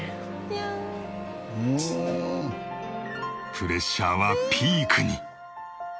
プレッシャーはピークに。